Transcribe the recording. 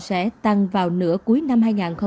sẽ tăng vào nửa cuối năm hai nghìn hai mươi